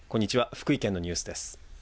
福井県のニュースです。